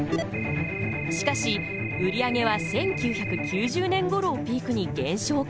しかし売り上げは１９９０年ごろをピークに減少傾向。